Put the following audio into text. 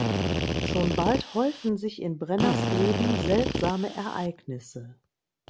Schon bald häufen sich in Brenners Leben seltsame Ereignisse.